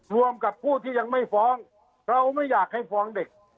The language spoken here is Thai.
รวมกับผู้ที่ยังไม่ฟ้องเราไม่อยากให้ฟ้องเด็ก